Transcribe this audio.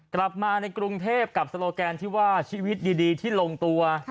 กลับมาในกรุงเทพกับโลแกนที่ว่าชีวิตดีที่ลงตัว